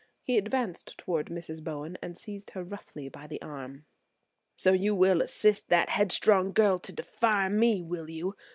He advanced toward Mrs. Bowen and seized her roughly by the arm. "So you will assist that headstrong girl to defy me, will you?